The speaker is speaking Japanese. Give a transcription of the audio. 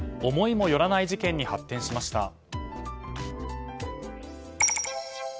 思いもよらない事件に発展しました。